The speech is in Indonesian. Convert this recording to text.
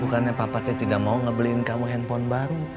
bukannya papatnya tidak mau ngebeliin kamu handphone baru